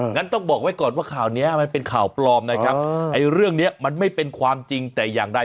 งั้นต้องบอกไว้ก่อนว่าข่าวนี้มันเป็นข่าวปลอมนะครับไอ้เรื่องนี้มันไม่เป็นความจริงแต่อย่างใด